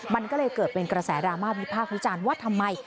มันก็เลยเกิดเป็นกระแสราม่าผิดผ้าคุยฌาญว่าทำไม